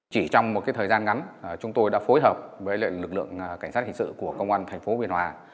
chỉ trong một thời gian ngắn chúng tôi đã phối hợp với lực lượng cảnh sát hình sự của công an thành phố biên hòa